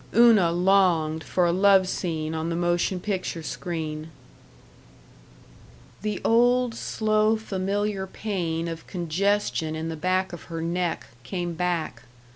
Una longed for a love scene on the motion picture screen. The old, slow familiar pain of congestion in the back of her neck came back.